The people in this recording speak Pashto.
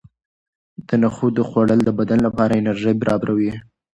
د نخودو خوړل د بدن لپاره انرژي برابروي.